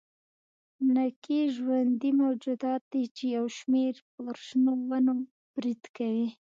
نکي ژوندي موجودات دي چې یو شمېر یې پر شنو ونو برید کوي.